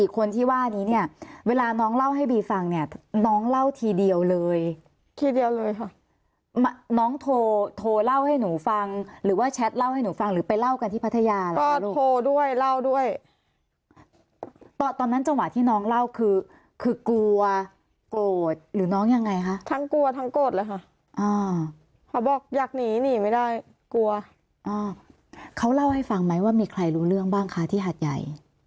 คนที่ว่านี้เนี่ยเวลาน้องเล่าให้บีฟังเนี่ยน้องเล่าทีเดียวเลยทีเดียวเลยค่ะน้องโทรโทรเล่าให้หนูฟังหรือว่าแชทเล่าให้หนูฟังหรือไปเล่ากันที่พัทยาก็โทรด้วยเล่าด้วยตอนนั้นจังหวะที่น้องเล่าคือคือกลัวโกรธหรือน้องยังไงคะทั้งกลัวทั้งโกรธเลยค่ะอ่าเขาบอกอยากหนีหนีไม่ได้กลัวอ่าเขาเล่าให